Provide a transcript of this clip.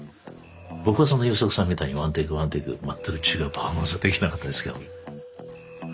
僕はそんな優作さんみたいにワンテイクワンテイク全く違うパフォーマンスは出来なかったですけどね。